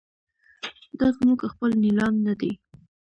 دا زموږ خپل نیلام نه دی.